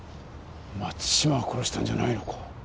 松島が殺したんじゃないのか。